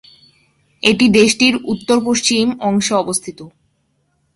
এটি দেশটির উত্তর-পশ্চিম অংশে অবস্থিত।